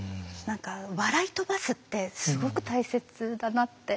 笑い飛ばすってすごく大切だなって。